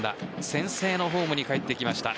先制のホームにかえってきました。